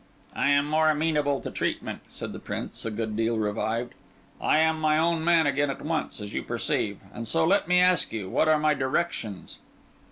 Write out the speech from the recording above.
"I am more amenable to treatment," said the Prince, a good deal revived. "I am my own man again at once, as you perceive. And so, let me ask you, what are my directions?"